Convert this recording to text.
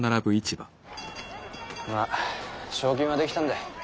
まあ正金は出来たんだ。